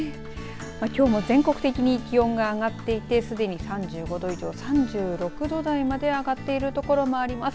きょうも全国的に気温が上がっていてすでに３５度以上、３６度台まで上がっているところもあります。